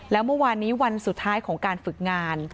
แล้วเมื่อวานนี้วันสุดท้ายของการฝึกงาน